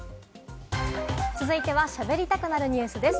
続いては、しゃべりたくなるニュスです。